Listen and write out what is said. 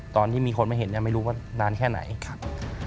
ตอนที่มีคนมาเห็นเนี่ยไม่รู้ว่านานแค่ไหนครับ